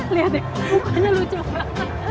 lihat deh mukanya lucu pak